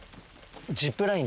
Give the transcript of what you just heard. ジップライン！？